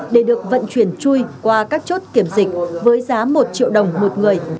để được vận chuyển chui qua các chốt kiểm dịch với giá một triệu đồng một người